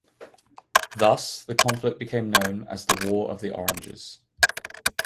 Thus, the conflict became known as the "War of the Oranges".